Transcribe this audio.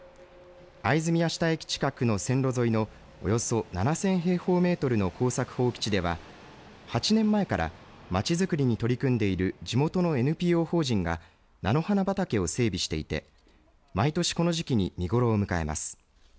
会津宮下駅近くの線路沿いのおよそ７０００平方メートルの耕作放棄地では８年前からまちづくりに取り組んでいる地元のＮＰＯ法人が菜の花畑を整備していて毎年この時期に見頃を迎えます。